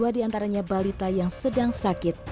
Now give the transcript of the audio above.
dua diantaranya balita yang sedang sakit